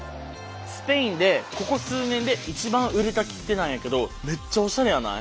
スペインでここ数年で一番売れた切手なんやけどめっちゃおしゃれやない？